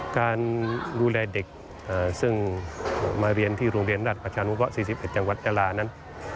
การดูแลเด็กซึ่งมาเรียนที่โรงเรียนรัฐประชานุเคราะห์๔๑จังหวัดยาลานั้น